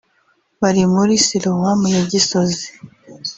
Bari muri Siloam ya Gisozi